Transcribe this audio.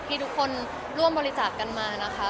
ที่ทุกคนร่วมบริจาคกันมานะคะ